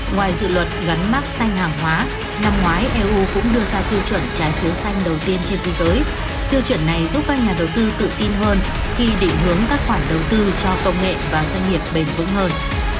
ngoài dự luật gắn mát xanh hàng hóa năm ngoái eu cũng đưa ra tiêu chuẩn trái phiếu xanh đầu tiên trên thế giới tiêu chuẩn này giúp các nhà đầu tư tự tin hơn khi định hướng các khoản đầu tư cho công nghệ và doanh nghiệp bền vững hơn